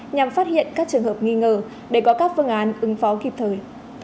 nhằm phát hiện các trường hợp nghi ngờ để có các phương án ứng phó kịp thời